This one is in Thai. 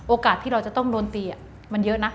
ที่เราจะต้องโดนตีมันเยอะนะ